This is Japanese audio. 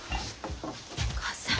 お母さん。